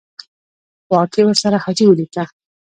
خوا کې ورسره حاجي ولیکه.